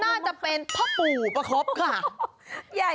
น่าจะเป็นพ่อปู่ประคบค่ะ